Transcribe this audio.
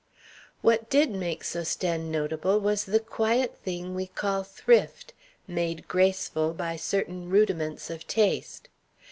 What did make Sosthène notable was the quiet thing we call thrift, made graceful by certain rudiments of taste.